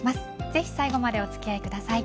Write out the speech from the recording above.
ぜひ最後までお付き合いください。